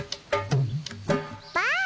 ばあっ！